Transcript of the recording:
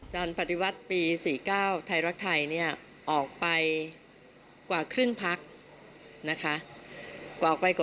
จันต์ปฏิวัติปี๔๙ไทยรักไทยออกไปกว่าครึ่งพัก